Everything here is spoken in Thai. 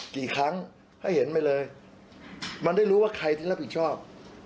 กี่ครั้งให้เห็นไปเลยมันได้รู้ว่าใครที่รับผิดชอบ